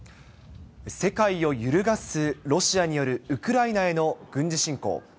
世界を揺るがすロシアによるウクライナへの軍事侵攻。